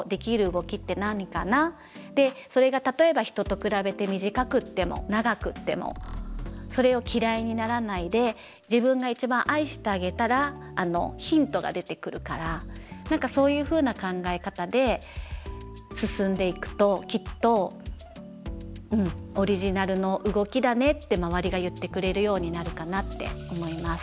それが例えば人と比べて短くても長くてもそれを嫌いにならないで自分が一番愛してあげたらヒントが出てくるから何かそういうふうな考え方で進んでいくときっとうんオリジナルの動きだねって周りが言ってくれるようになるかなって思います。